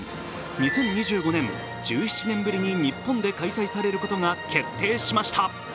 ２０２５年、１７年ぶりに日本で開催されることが決定しました。